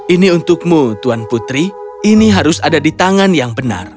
ini untukmu tuan putri ini harus ada di tangan yang benar